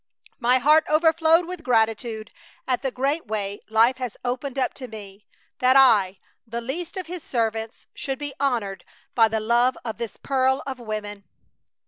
My heart overflowed with gratitude at the great way life has opened up to me. That I, the least of His servants, should be honored by the love of this pearl of women!